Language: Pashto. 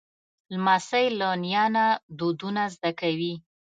لمسی له نیا نه دودونه زده کوي.